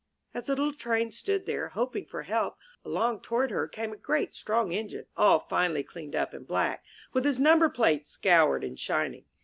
As the little Train stood there, hoping for help, along toward her came a great strong Engine, all finely cleaned up and black, with his number plate scoured and shining.